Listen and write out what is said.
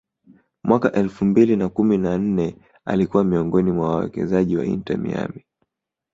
mwaka elfu mbili na kumi na nne alikuwa miongoni mwa wawekezaji wa Inter Miami